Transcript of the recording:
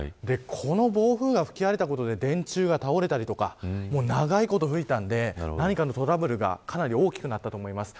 この暴風が吹き荒れたことで電柱が倒れたり長いこと吹いたので何かトラブルが大きくなったと思います。